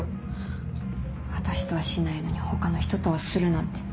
私とはしないのに他の人とはするなんて。